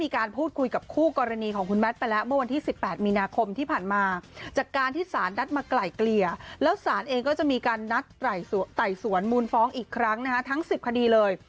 คุณฟ้องอีกครั้งนะฮะทั้ง๑๐คดีเลย